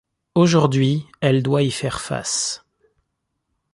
Aujourd'hui, elle doit y faire face.